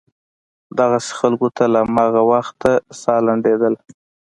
دغسې خلکو ته له هماغه وخته سا لنډېدله.